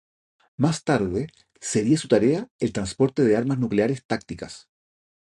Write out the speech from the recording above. Más tarde sería su tarea el transporte de armas nucleares tácticas.